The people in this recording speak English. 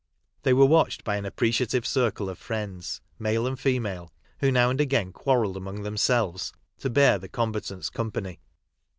They were watched by an appreciative circle of friends, male and temale, who now and again quarrelled anions' themselves to bear the combatants company.